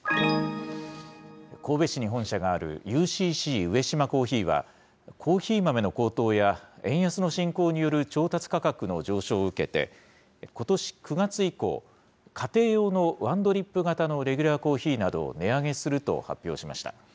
神戸市に本社があるＵＣＣ上島珈琲は、コーヒー豆の高騰や円安の進行による調達価格の上昇を受けて、ことし９月以降、家庭用のワンドリップ型のレギュラーコーヒーなどを値上げすると発表しました。